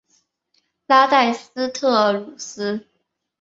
拉代斯特鲁斯。